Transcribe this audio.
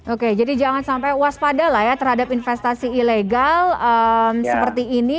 oke jadi jangan sampai waspada lah ya terhadap investasi ilegal seperti ini